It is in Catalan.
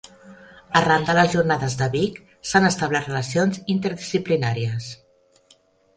Arran de les jornades de Vic, s'han establert relacions interdisciplinàries.